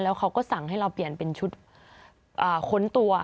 เขาก็สั่งให้เราเปลี่ยนเป็นชุดค้นตัว